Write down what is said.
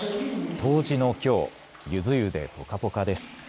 冬至のきょう、ゆず湯でぽかぽかです。